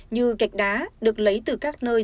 như gạch đá được lấy từ các nơi